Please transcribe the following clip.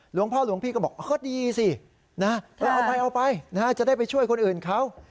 หลวงพ่อหลวงพี่ก็บอกก็ดีสินะเอาไปเอาไปจะได้ไปช่วยคนอื่นเขา